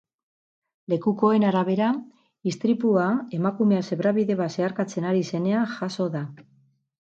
Lekukoen arabera, istripua emakumea zebrabide bat zeharkatzen ari zenean jazo da.